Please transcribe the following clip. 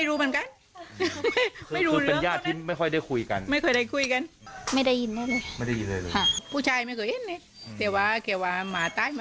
อืม